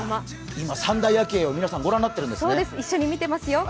今、三大夜景を皆さん、御覧になっていますね。